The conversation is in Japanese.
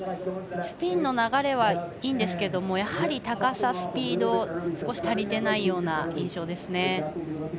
スピンの流れはいいんですがやはり高さ、スピード少し足りてないような印象ですね。